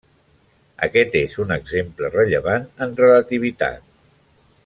Aquest és un exemple rellevant en relativitat.